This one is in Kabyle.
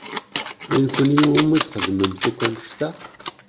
I nekni i wumi txedmemt akk annect-a?